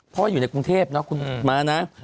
เพราะอยู่ในกรุงเทพฯคุณอุดมานะ